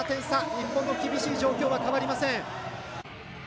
日本の厳しい状況は変わりません。